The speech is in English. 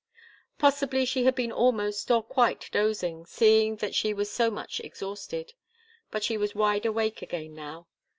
Possibly she had been almost or quite dozing, seeing that she was so much exhausted. But she was wide awake again now.